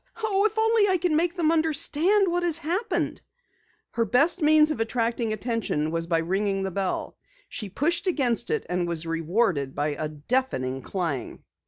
"Oh, if only I can make them understand what has happened!" Her best means of attracting attention was by ringing the bell. She pushed against it and was rewarded by a deafening clang.